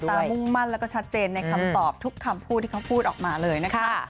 มุ่งมั่นแล้วก็ชัดเจนในคำตอบทุกคำพูดที่เขาพูดออกมาเลยนะคะ